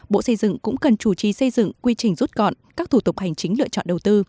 bộ xây dựng cũng cần chủ trì xây dựng quy trình rút gọn các thủ tục hành chính lựa chọn đầu tư